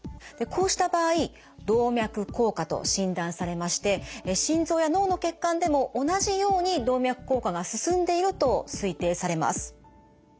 でこうした場合動脈硬化と診断されまして心臓や脳の血管でも同じように動脈硬化が進んでいると推定されます。